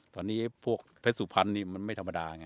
ตอนนี้พวกเพศศุพรรณมันไม่ธรรมดา